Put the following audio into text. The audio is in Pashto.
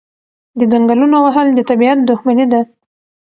د ځنګلونو وهل د طبیعت دښمني ده.